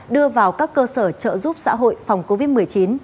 đưa vào các cơ sở trợ giúp xã hội phòng covid một mươi chín